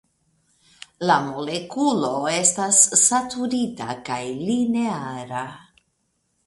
La molekulo estas saturita kaj lineara.